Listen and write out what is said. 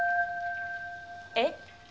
えっ？